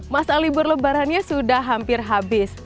masa libur lebarannya sudah hampir habis